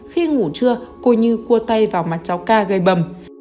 khi ngủ trưa cô như cua tay vào mặt cháu ca gây bầm